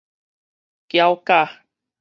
攪攪